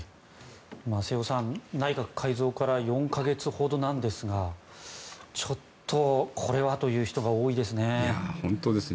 瀬尾さん、内閣改造から４か月ほどなんですがちょっとこれはという人が多いですね。